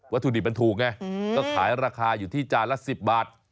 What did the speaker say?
ถุดิบมันถูกไงก็ขายราคาอยู่ที่จานละ๑๐บาท